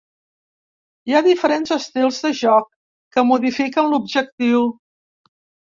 Hi ha diferents estils de joc que modifiquen l'objectiu.